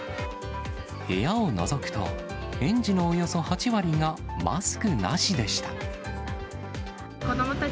部屋をのぞくと、園児のおよそ８割がマスクなしでした。